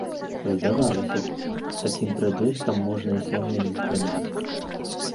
Здавалася б, з такім прыбыткам можна і самім здымаць.